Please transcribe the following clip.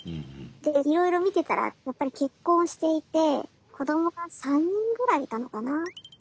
でいろいろ見てたらやっぱり結婚していて子どもが３人ぐらいいたのかな。